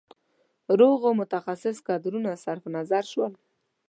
روغو متخصص کدرونه صرف نظر شول.